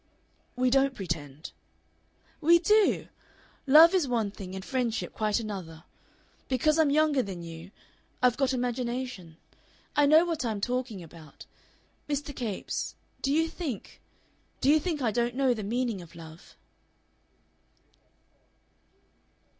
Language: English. "We don't pretend." "We do. Love is one thing and friendship quite another. Because I'm younger than you.... I've got imagination.... I know what I am talking about. Mr. Capes, do you think... do you think I don't know the meaning of love?"